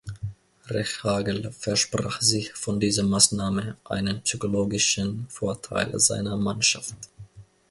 Rehhagel versprach sich von dieser Maßnahme einen psychologischen Vorteil seiner Mannschaft.